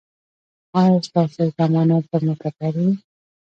ایا ستاسو ضمانت به معتبر وي؟